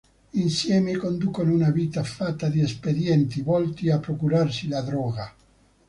Insieme conducono una vita fatta di espedienti, volti a procurarsi la droga.